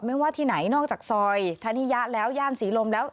ไม่ว่าที่ไหนนอกจากซอยธนิยะแล้วย่านศรีลมแล้ว